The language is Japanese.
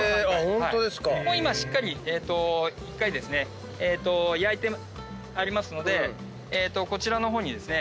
もう今しっかり１回焼いてありますのでこちらの方にですね。